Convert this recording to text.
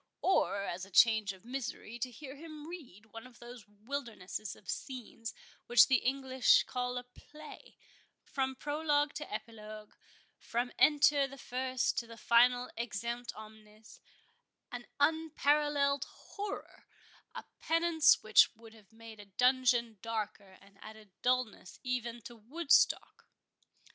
or, as a change of misery, to hear him read one of those wildernesses of scenes which the English call a play, from prologue to epilogue—from Enter the first to the final Exeunt omnes—an unparalleled horror—a penance which would have made a dungeon darker, and added dullness even to Woodstock!"